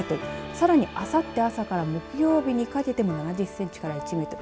さらにあさって朝から木曜日にかけても７０センチから１メートル。